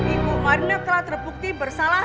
ibu marna telah terbukti bersalah